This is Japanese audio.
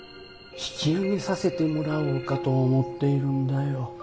引き揚げさせてもらおうかと思っているんだよ。